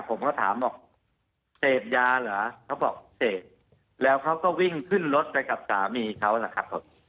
ผมก็ถามบอกเสพยาเหรอเขาบอกเสพแล้วเขาก็วิ่งขึ้นรถไปกับสามีเขาล่ะครับผม